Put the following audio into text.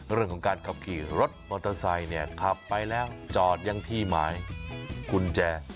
เรื่องของการขับขี่รถมอเตอร์ไซค์เนี่ยขับไปแล้วจอดยังที่หมายกุญแจ